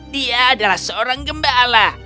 dia adalah seorang gembala